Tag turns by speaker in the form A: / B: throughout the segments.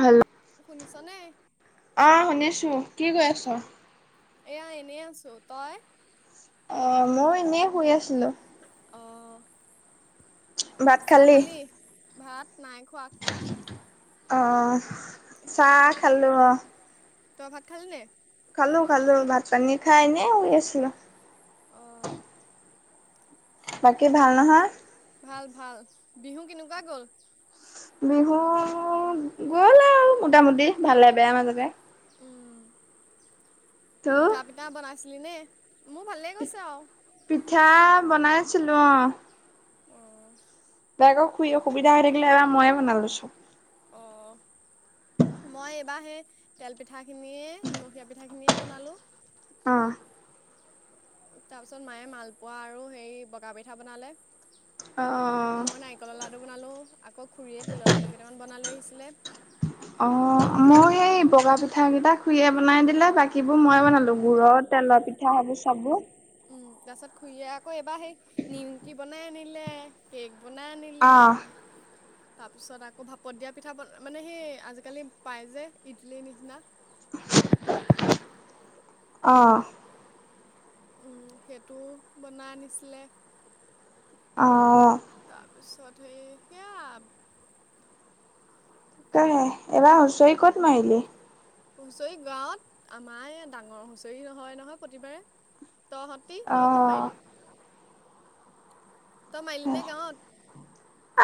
A: হে'ল্
B: শুনিছানে?
A: অ' শুনিছোঁ কি কৰি আছ।
B: এয়া এনেই আছোঁ তই।
A: অ' মও এনেই শুই আছিলো।
B: অঁ। চাহ খালি, ভাত নাই খোৱা।
A: অ' চাহ
B: তই
A: খালো অ।
B: তই ভাত খালি নাই?
A: খালো খালো ভাত পানী খাই এনে শুই আছিলো।
B: অ।
A: বাকী
B: তাকে
A: ভাল নহয়
B: ভাল ভাল। বিহু কেনেকুৱা গ'ল?
A: বিহু গ'ল আৰু মোটামুটি ভালে বেয়া মাজতে।
B: উম
A: তোৰ
B: পিঠা পিতা বনাইছিলি নে, মোৰ ভালে গৈছে আও
A: পিঠা বনাইছিলোঁ অঁ।
B: অঁ।
A: বায়ে'ক খুড়ী অসুবিধা হৈ থাকিলে এবাৰ ময়ে বনালো চব
B: অঁ। মই এইবাৰ সেই তেল পিঠা খিনিয়ে, নিমখীয়া পিঠাখিনিয়ে বনালোঁ।
A: অ।
B: তাৰ পিছত মায়ে মালপোৱা আৰু হেৰি বগা পিঠা বনালে,
A: অ
B: মই নাই- তিলৰ লাডু বনালো আকৌ খুৰীয়ে লৰ লাডু কেইটামান বনাই লৈ আহিছিলে।
A: অ মই সেই বগা পিঠা কিটা খুৰিয়ে বনাই দিলে বাকীবোৰ মই বনালো গুৰৰ তেলৰ পিঠ- পিঠা সেইবোৰ চাব।
B: উম তাৰপিছত খুৰীয়ে আকৌ এবাৰ সেই নিমকি বনাই আনিলে। কেক বনাই আনিলে।
A: আহ
B: তাৰপিছত আকৌ ভাপত দিয়া পিঠা বনা মানে সেই আজিকালি পায় যে ইডলি নিচিনা।
A: [inaudible] অ।
B: সেইটোও বনাই আনিছিলে।
A: অ।
B: তাপিছত সেই সেয়া-
A: তহে এবাৰ হুঁচৰি ক'ত মাৰিলি?
B: হুঁচৰি গাঁৱত আমাৰ ডাঙৰ হুঁচৰি নহয় নহয় প্ৰতিবাৰে, তহঁত- তি, ‌ তই ক'ত
A: অ',
B: মাৰিলি? তই মাৰিলি নে গাঁৱত।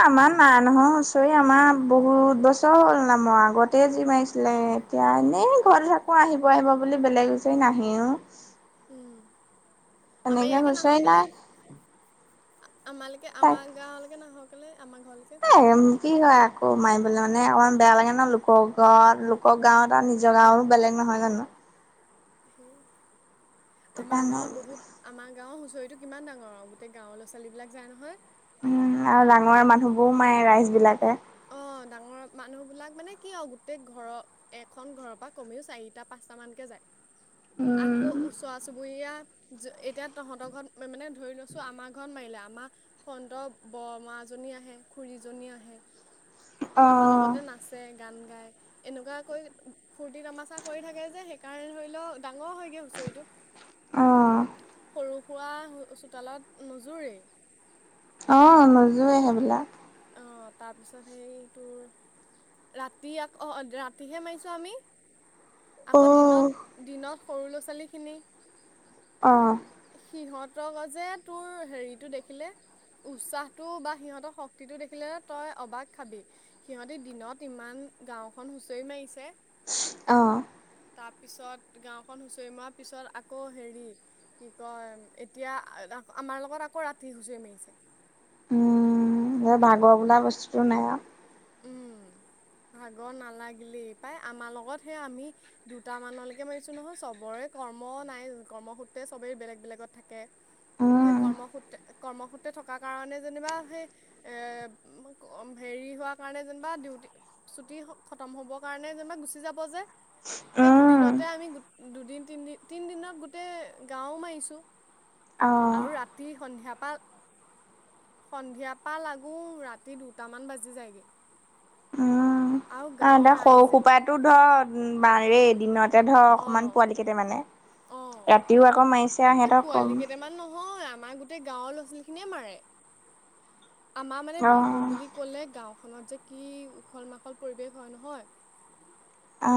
A: আমাৰ নাই নহয় হুচৰি আমাৰ বহুত বছ- তল নাই মৰা আগতে যি মাৰিছিলে এতিয়া এনেই ঘৰত থাকো আহিব আহিব বুলি বেলেগ- ছে নাহেও।
B: উম আমাৰ
A: এনেকে
B: এয়ালেকে নাহ
A: হুঁচৰি
B: কেলে?
A: নাই
B: আমালকে
A: তাক
B: আমাৰ গাঁৱলৈকে নাহকলে আমাৰ ঘৰলেকে?
A: হেম কি হয় আকৌ মাৰিবলে মানে অকমান বেয়া লাগে ন লোকঘত লোকক- গাঁও তা নিজৰ গাঁও বেলেগ নহয় জানো।
B: সে আমাৰ
A: সেইকাৰণে
B: গাঁৱত বহুত- আমাৰ গাঁৱৰ হুঁচৰিটো কিমান‌ ডাঙৰ আৰু গোটেই গাঁৱৰ ল'ৰা ছোৱালী বিলাক যায় নহয়।
A: উম আৰু ডাঙৰ মানুহবোৰও মায়ে ৰাইজ বিলাকে।
B: অ ডাঙৰ মানুহ বিলাক মানে কি আও গোটেই ঘৰ- এখন ঘৰৰ পৰা কমেও চাৰিটা পাঁচটা মানকে যায়। আকৌ
A: উম
B: ওচৱা চুবুৰীয়া যে এতিয়া তহঁতৰ ঘৰত মানে ধৰি লৈছো আমাৰ ঘৰত মাৰিলে আমা- ফন্ত বৰমাজনী আহে খুৰীজনী আহে আমাৰ লগতে নাচ- ছে গান গাই, এনেকুৱাকৈ ফূৰ্তি তামাচা কৰি থাকে সেই কাৰণে ধৰি ল- ডাঙৰ হয়গে হুচৰিটো,
A: অ', অ'।
B: সৰু- খোৱা চোতালত নোযোৰেই।
A: অ নোযোৱে সেইবিলাক।
B: অ তাৰপিছত সেই তোৰ ৰাতি আক অ ৰাতিহে মাৰিছোঁ আমি। আকৌ
A: অ',
B: দিনত দিনত সৰু ল'ৰা ছোৱালীখিনি-
A: অ।
B: সিহঁতক যে তোৰ হেৰিটো দেখিলে। উৎসাহটো বা সিহঁতৰ শক্তিটো দেখিলে তই অবাক খাবি। সিহঁতি দিনত ইমান গাঁওখন হুঁচৰি মাৰিছে।
A: অ,
B: তাৰপিছত গাঁওখন হুঁচৰি মৱাৰ পিছত আকৌ হেৰি। কি কয় এতিয়া আমাৰ লগত আকৌ ৰাতি হুঁচৰি মাৰিছে।
A: উম এই ভাগৰ বোলা বস্তুটো নাই আও।
B: উম ভাগৰ নালাগিলেই পাই আমাৰ লগত সে আমি- দুটা মানলৈকে মাৰিছো নহয় চবৰে কৰ্ম নাই কৰ্মসূত্ৰে চবেই বেলেগ বেলেগত থাকে। সেই
A: উম,
B: কৰ্মসূত্ৰে কৰ্মসূত্ৰে থকাৰ কাৰণে যেনিবা সেই- এ হেৰি হোৱা। কাৰণে যেনিবা ডিউটি ছুটি খতম হ'বৰ কাৰণে যেনিবা গুচি যাব যে। সেই
A: উম,
B: দুদিনতে আমি দুদিন তিনি তিনিদিনত গোটেই গাঁও মাৰিছোঁ।
A: অ',
B: আৰু ৰাতি সন্ধিয়াৰ পৰা। সন্ধিয়াৰ পৰা লাগো ৰাতি দুটামান বাজি যায়গে।
A: এ
B: গাঁৱৰ
A: তোৰ সৰু
B: ৰাইজে
A: সোপাটো ধৰ মাৰে দিনতে ধৰ অকমান
B: অঁ
A: পোৱালি কেইটা মানে।
B: অ এই
A: কম
B: পোৱালি কেইটামান নহয় আমাৰ গোটেই, গোটেই গাঁৱৰ ল'ৰা ছোৱালী খিনিয়ে মাৰে আমাৰ মানে বিহু
A: অ',
B: বুলি। ক'লে গাঁওখনত যে কি উখল মাখল পৰিৱেশ হয় নহয়।
A: অ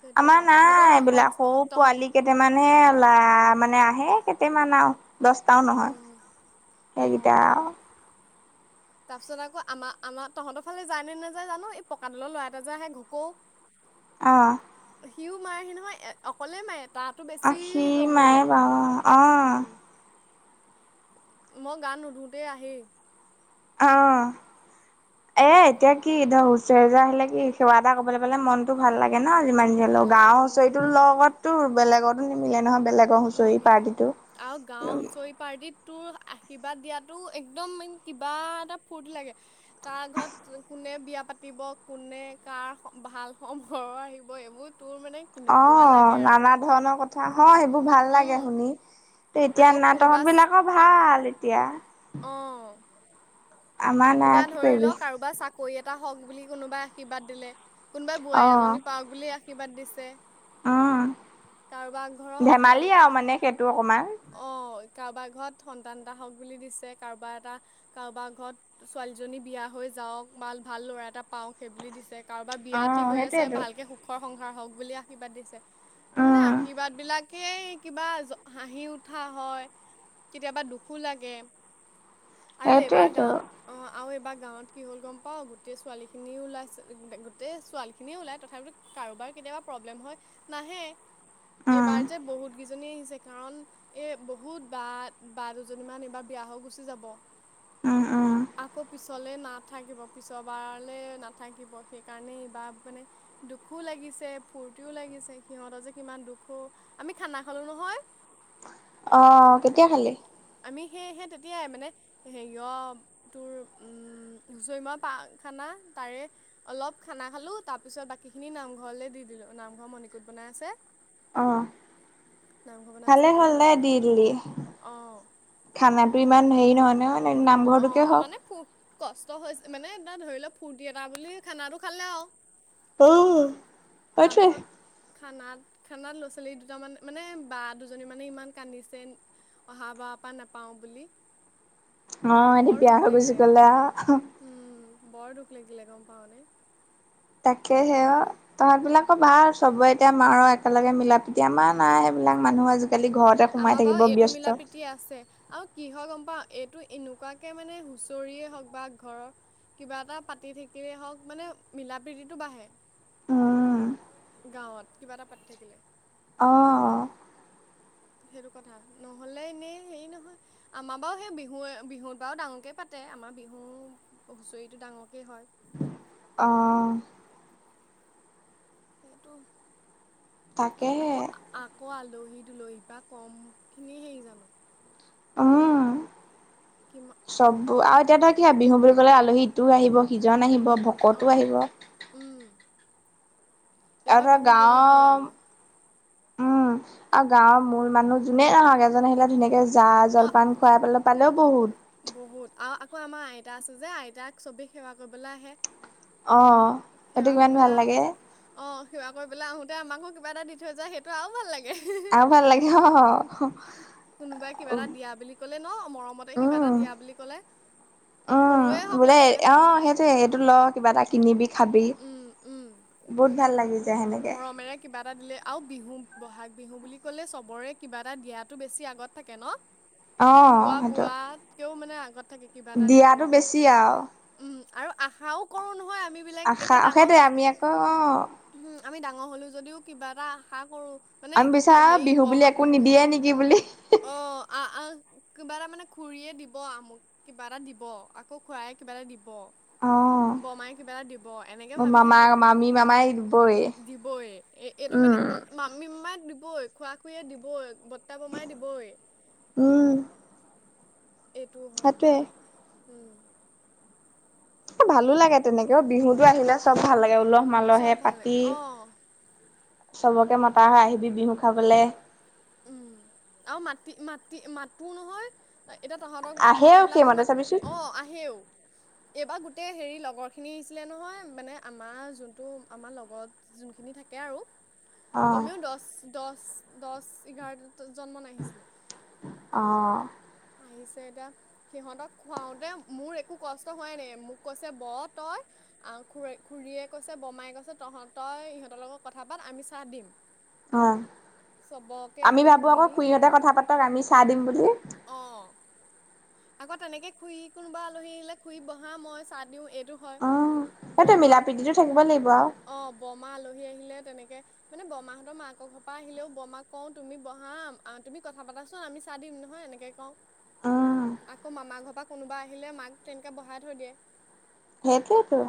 B: সেইটো
A: আমাৰ
B: হয় তহঁতৰ
A: নাই
B: ৰাসত
A: এইবিলাক সৰু
B: তহঁত
A: পোৱালী। কেইটামান হে ল'ৰা মানে আহে কেইটামান আৰু দহটাও নহয়
B: উম
A: সেইকেইটা
B: অ'
A: আৰু
B: তাৰপিছত আকৌ আমাৰ আমাৰ তহঁতৰ ফালে যায় নে নেযায় জানো এই পকাডালৰ ল'ৰা এটা যে আহে ঘকৌ, [inaudible]
A: অ,
B: সিও মাৰেহি নহয় অকলেই মাৰে তাতো বেছি
A: সি
B: জমনি
A: মাৰে
B: লাগে।
A: বাৰু অ',
B: মই গা নুধোতেই আহেই।
A: অ এ এতিয়া কি ধৰ হুঁচৰিজোৰা আহিলে কি সেৱা এটা কৰিবলৈ পলে মনতো ভাল লাগে। থাকে ন যিমান যি
B: ভাল
A: হ'লেও গাঁৱৰ
B: লাগে উম।
A: হুঁচৰিতো লগতো বেলেগতো নিমিলে নহয় বেলেগ,
B: নিমিলে আৰু গাঁও হুঁচৰি। পাৰ্টিত তোৰ আশীৰ্বাদ দিয়াতো একদম কিবা এটা ফূৰ্তি লাগে। কা ঘৰত কোনে বিয়া পাতি পাতিব কোনে কাৰ ভাল সমঘৰৰ আহিব এইবোৰ তোৰ মানে।
A: অ
B: কেনেকুৱা লাগে আৰু
A: নানা ধৰণৰ কথা হ সেইবোৰ ভাল
B: উম
A: লাগে শুনি। এতিয়া
B: আকৌ
A: নাই তঁহত
B: কোনোবা
A: বিলাক ভাল এতিয়া।
B: অ
A: আমাৰ নাই আৰু
B: এতিয়া
A: কি
B: ধৰি
A: কৰিবি
B: লওক কাৰোবাৰ চাকৰি এটা হওক বুলি কোনোবাই আশীৰ্বাদ দিলে কোনোবাই বোৱাৰী এজনী
A: অ'
B: পাওক, বুলি আশীৰ্বাদ দিছে।
A: উম
B: কাৰোবাৰ ঘৰৰ ভাল।
A: ধেমালি আৰু মানে সেইটো অকমান
B: অঁ কাৰোবাৰ ঘৰত সন্তান এটা হওক বুলি দিছে কাৰোবাৰ এটা কাৰোবাৰ ঘৰত। ছোৱালীজনী বিয়া হৈ যাওক বা ভাল ল'ৰা এটা পাওক সেই বুলি দিছে। কাৰোবাৰ বিয়া ঠিক
A: অ'
B: হৈ আছে
A: সেইটোৱেতো
B: ভালকে সুখৰ সংসাৰ হওক বুলি আশীৰ্বাদ দিছে। তো মানে
A: উম
B: আশীৰ্বাদ বিলাকেই কিবা হাঁহি উঠা হয়। কেতিয়াবা দুখো লাগে আৰু এবাৰ
A: সেইটোৱেতো
B: গাওঁ, অঁ আৰু এইবাৰ গাঁৱত কি হ'ল গম পাওঁ গোটেই ছোৱালীখিনিও ওলাই গোটেই ছোৱালীখিনিও ওলায় তথাপিতো। কাৰোবাৰ কেতিয়াবা প্ৰব্লেম হয় নাহে
A: উম
B: এইবাৰ যে বহুত, কেজনী আহিছে কাৰণ এ বহুত বা বা দুজনীমান এইবাৰ বিয়া হৈ গুচি যাব।
A: উম উম
B: আকৌ পিছলৈ নাথাকিব পিছবাৰলে নাথাকিব সেইকাৰণে এইবাৰ মানে। দুখো লাগিছে ফূৰ্তিও লাগিছে সিহঁতৰ যে কিমান দুখ ঔ আমি খানা খালো নহয়।
A: অ কেতিয়া খালি।
B: আমি সেয়েহে তেতিয়াই মানে হেৰিয়। তোৰ উম হুঁচৰি মাৰা পাৰ খানা তাৰে অলপ খানা খালোঁ তাৰপিছত বাকী খিনি নামঘৰলে দি দিলোঁ নামঘৰৰ মণিকূট বনাই আছে।
A: অ'
B: নামঘৰ বনাই আছে
A: ভালে হ'ল
B: কাৰণে নাম
A: দেই দি দিলি।
B: অঁ
A: খানাটো ইমান হেৰি নহয়-নহয় নামঘৰটোকে
B: অ'
A: হওক।
B: মানে ফু কষ্ট হৈছে মানে এ ধৰি লওক ফূৰ্তি এটা বুলি খানাটো খালে আৰু
A: অ' সেইটোৱে
B: তাৰপিছত। খানাত খানাত ল'ৰা ছোৱালী দুটামান মানে বা দুজনী মানে ইমান কান্দিছে। অহা বাৰ পৰা নাপাওঁ বুলি।
A: অ' এদিন
B: বৰ
A: বিয়া
B: দুখ
A: হৈ গুছি
B: লাগিলে
A: গ'লে
B: উম বৰ দুখ লাগিলে গম পাওঁনে।
A: তাকেহে অ' তহঁত বিলাক ভাল চবে এতিয়া মাৰ একেলগে মিলাপ্ৰীতি আমাৰ নাই। এইবিলাক মানুহ আজিকালি ঘৰতে সোমাই
B: আমাৰ বাৰু
A: থাকিব
B: এইটো মিলা
A: ব্যস্ত।
B: প্ৰীতি আছে আৰু কি হৈ গম পাওঁ এইটো এনেকুৱাকে মানে হুঁচৰিয়েই হওক বা ঘৰৰ কিবা এটা পাতি থাকিলেই হওক মানে মিলা- প্ৰীতিটো বাঢ়ে।
A: উম
B: গাঁৱত কিবা এটা পতি থাকিলে।
A: অ'
B: সেইটো কথা নহ'লে এনেই হেৰি নহয়। আমাৰ বাৰু সেই বিহু বিহুত বাৰু ডাঙৰকে পাতে আমাৰ বিহু হুঁচৰিটো ডাঙৰকে হয়।
A: অ'।
B: সেইটো।
A: তাকে।
B: আকৌ-আকৌ আলহী দুলহী পা কম খিনি হেৰি জানোঁ।
A: উম
B: কিম
A: চববোৰ আৰু এতিয়া তই কিহে বিহু বুলি ক'লে আলহী ইটো আহিব সিজন আহিব ভকতো আহিব
B: অ' উম।
A: [unintelligible] উম
B: এইবাৰ
A: আৰু
B: বিহুত বহুত ভাল লাগিলে
A: গাঁৱৰ মূল মানুহ যোনে নাহক এজন আহিলে ধুনীয়াকে
B: অঁ
A: জা-জলপান খোৱাবলৈ পালেও বহুত।
B: বহুত আৰু আকৌ আমাৰ আইতা আছে যে আইতাক চবেই সেৱা কৰিবলৈ আহে।
A: অ'। সেইটো
B: সেৱা
A: কিমান
B: কৰিবলৈ
A: ভাল লাগে
B: আহ অ' সেৱা কৰিবলৈ আহোঁতে আমাকো কিবা এটা দি থৈ যায় সেইটো আৰু ভাল লাগে।
A: আৰু ভাল লাগে অ'।
B: কোনোবাই কিবা এটা দিয়া বুলি ক'লে ন' মৰমতে কিবা এটা
A: উম,
B: দিয়া বুলি ক'লে সৰুৱে হওক লাগিলে।
A: এই এইটো ল' কিবা এটা কিনিবি, খাবি।
B: উম।
A: বহুত ভাল লাগিল।
B: মৰমেৰে কিবা এটা দিলে আৰু বিহু ব'হাগ বিহু বুলি ক'লে চবৰে কিবা এটা দিয়াতো বেছি আগত থাকে ন'।
A: অ',
B: খোৱা
A: সেইটো।
B: বোৱাতকেও মানে আগত থাকে কিবা এটা দিব।
A: দিয়াতো বেছি আৰু
B: উম আৰু আশাও কৰোঁ নহয় আমি। বিলাক
A: আশা
B: এতিয়া ডাঙৰ
A: সেইটোৱে
B: হৈছো
A: আমি আকৌ অ'।
B: উম আমি ডাঙৰ হ'লো‌ যদিও কিবা এটা আশা কৰোঁ।
A: আমি বিচাৰা বিহু বুলি একো নিদিয়ে নেকি বুলি।
B: অ' আহ-আহ। কিবা এটা মানে খুৰীয়ে দিব আমুক কিবা এটা দিব আকৌ খুৰাই কিবা এটা দিব।
A: অ',
B: বৰ্মাই কিবা এটা দিব এনেকে ভাবি থাকোঁ।
A: আমি মামাই [unintelligible]
B: দিবই এ এইটো মানে
A: উম,
B: মামী-মামাক দিবই, খুৰা-খুৰীয়ে দিবই, বৰ্তা-বৰ্মাই দিবই।
A: উম
B: এইটোও হয়
A: সেইটোৱে।
B: উম।
A: ভালো লাগে তেনেকে বিহুতো আহিলে চব ভাল লাগে উলহ মালহে
B: চব ভালে
A: পাতি
B: অঁ
A: চবকে মতা হয় আহিবি বিহু খাবলৈ।
B: উম আৰু মাটি-মাটি মাতো নহয়। এতিয়া তহঁতক
A: আহেও
B: তহঁতবিলাকক
A: সেইমতে
B: মান
A: চাবিচোন
B: অ আহেও। এইবাৰ গোটেই হেৰি লগৰখিনি আহিছিলে নহয় মানে আমাৰ যোনটো আমাৰ লগত। যোনখিনি থাকে আৰু
A: অ
B: কমেও দছ দছ দছ এঘাৰ দি- জন্ম নাহিছিলে
A: অ
B: আহিছে এটা সিহঁতক খুৱাওতে মোৰ একো কষ্ট হোৱাই নাই মোক কৈছে ব তই। আহ খু খুৰীয়ে কৈছে বোমাই কৈছে তহঁ তই ইহঁতৰ লগত কথা পাত আমি চাহ দিম।
A: অ
B: চবক
A: আমি ভাবো আকৌ খুইহঁতে কথা পাতক আমি চাই দিম বুলি।
B: অ। আকৌ তেনেকে খুই কোনোবা আলহী আহিলে খুই বহা মই চাহ দিওঁ এইটো হয়।
A: সেইটো মিলা প্ৰীতিতো থাকিব লাগিব আও।
B: অ বমা আলহী আহিলে তেনেকে মানে বৰমাহঁতৰ মাকৰ ঘৰ পৰা আহিলেও বমাক কওঁ তুমি বহা আহ তুমি কথা পতা চোন আমি চাহ দিম নহয় এনেকে কওঁ।
A: উম
B: আকৌ মামাৰ ঘৰ পৰা কোনোবা আহিলে মাক তেনেকে বঢ়াই থৈ দিয়ে।
A: সেইটোৱেটো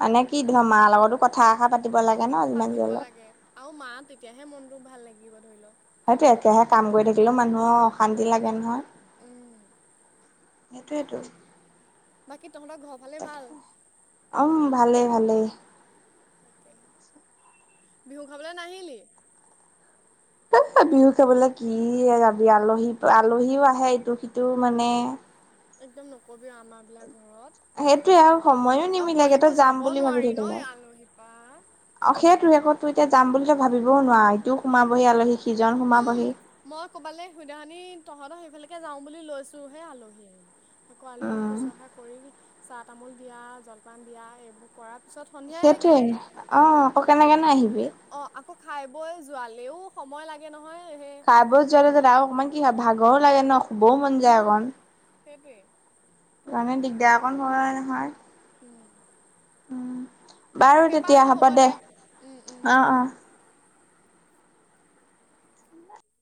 A: মানে কি
B: সেইটো
A: ধৰ মাৰ লগতো কথা এখা পাতিব লাগে ন। যিমান যি
B: পাতিব
A: হ'লেও
B: লাগে আও মা তেতিয়াহে মনটো ভাল লাগিব ধৰি লও।
A: সেইটোৱে একেৰাহে কাম কৰি থাকিলেও মানুহৰ অশান্তি লাগে নহয়।
B: উম।
A: সেইটোৱেটো
B: বাকী তহঁতৰ ঘৰৰ ফালে
A: তাক
B: ভাল?
A: উম ভালে ভালেই।
B: বিহু খাবলে নাহিলি।
A: এ বিহু খাবলৈ কি যাবি আলহী আলহীও আহে ইটো সিটো মানে
B: একদম নকবি আমাৰ বিলাক
A: সেইটোয়ে আৰু সময়ো
B: ঘৰত অ
A: নিমিলেগে তই
B: কলেকো
A: যাম
B: যাব
A: বুলি ভাবি
B: নোৱাৰি
A: থাকিলে।
B: নহ আলহীপা
A: অ সেইটোৱেক তো এতিয়া যাম বুলিতো ভাবিবও নোৱাৰা ইটোও সোমাবহি আলহী সিজন
B: উম,
A: সোমাবহি
B: মই ক'বালে সুদানি তহঁতৰ সেইফালেকে যাও বুলি লৈছো হে আলহী আহিলে আকৌ আলহীক
A: উম
B: সৌচ ৰখা কৰি চাহ তামোল দিয়া জলপান দিয়া এইবোৰ কৰাত
A: সেইটোৱে অ আকৌ কেনেকেনে আহিবি।
B: অ আকৌ খাই বৈ যোৱালেও সময় লাগে নহয় সে
A: আব যোৱা লেলেটা আও অকণমান কি হয় ভাগৰো লাগে ন শুবও মন যায় অকণ।
B: সেইটোৱে
A: ইমানে দিগদাৰকণ হয় নহয়।
B: উম।
A: উ বাৰু তেতিয়া হ'ব দে
B: উম, উম।
A: অ অ।